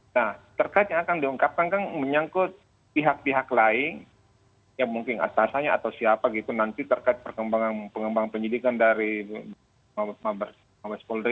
nah terkait yang akan diungkapkan kan menyangkut pihak pihak lain yang mungkin atasannya atau siapa gitu nanti terkait perkembangan pengembangan penyidikan dari mabes polri